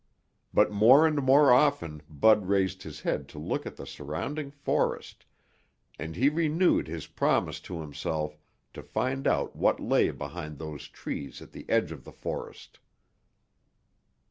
But more and more often Bud raised his head to look at the surrounding forest, and he renewed his promise to himself to find out what lay behind those trees at the edge of the forest.